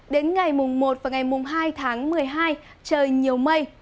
đến ngày mùng một và ngày mùng hai tháng một mươi hai trời nhiều mây